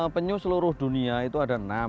penyu seluruh dunia itu ada enam